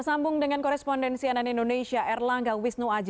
sambung dengan korespondensi ann indonesia erlangga wisnu aji